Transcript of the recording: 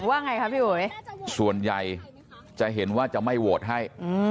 ว่าไงคะพี่อุ๋ยส่วนใหญ่จะเห็นว่าจะไม่โหวตให้